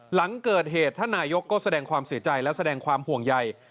หลังเกิดเหตุท่านนายกก็แสดงความเสียใจและแสดงความห่วงใหญ่